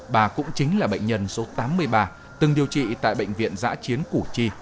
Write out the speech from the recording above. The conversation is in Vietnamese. bà cũng chính là bệnh nhân số tám mươi ba từng điều trị tại bệnh viện giã chiến củ chi